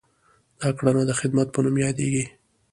دا کړنه د خدمت په نوم یادیږي.